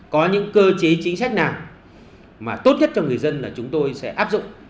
có những cơ chế chính sách nào mà tốt nhất cho người dân là chúng tôi sẽ áp dụng